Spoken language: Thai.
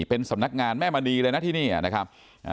เป็นสำนักงานแม่มณีเลยนะที่นี่นะครับ